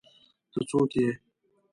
ته څوک ئې؟